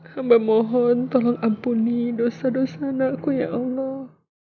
hamba mohon tolong ampuni dosa dosa anakku ya allah